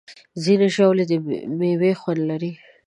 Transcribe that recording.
ځینې ژاولې د میوې خوند لري.